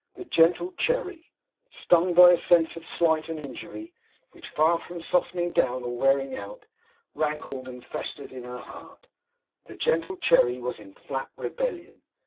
The gentle Cherry, stung by a sense of slight and injury, which far from softening down or wearing out, rankled and festered in her heart the gentle Cherry was in flat rebellion.